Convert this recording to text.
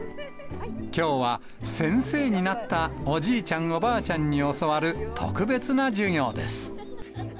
きょうは先生になったおじいちゃん、おばあちゃんに教わる特別な授業です。